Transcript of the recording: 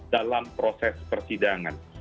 dalam proses persidangan